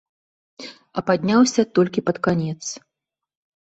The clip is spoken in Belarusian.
А падняўся толькі пад канец.